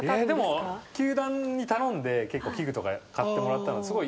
でも球団に頼んで器具とか買ってもらったんで。